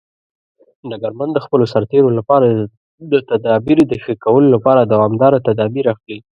ډګرمن د خپلو سرتیرو لپاره د تدابیر د ښه کولو لپاره دوامداره تدابیر اخلي.